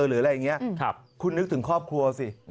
หรืออะไรอย่างนี้คุณนึกถึงครอบครัวสิ